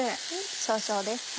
少々です。